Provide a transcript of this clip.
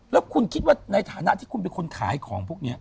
แล้วคุณคิดว่าในฐานะที่คุณเป็นคนขายของพวกนี้